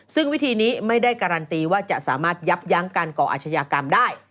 ซึ่งวิธีนี้ไม่ได้การันตีว่าจะสามารถยับยั้งการก่ออาชญากรรมได้